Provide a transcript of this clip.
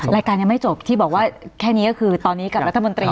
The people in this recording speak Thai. ยังไม่จบที่บอกว่าแค่นี้ก็คือตอนนี้กับรัฐมนตรี